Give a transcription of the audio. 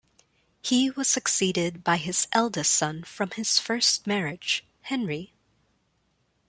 He was succeeded by his eldest son from his first marriage, Henry.